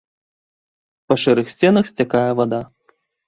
Па шэрых сценах сцякае вада.